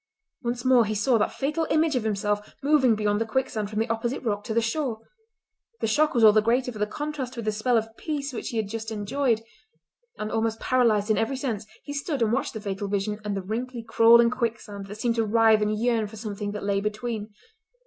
Once more he saw that fatal image of himself moving beyond the quicksand from the opposite rock to the shore. The shock was all the greater for the contrast with the spell of peace which he had just enjoyed; and, almost paralysed in every sense, he stood and watched the fatal vision and the wrinkly, crawling quicksand that seemed to writhe and yearn for something that lay between.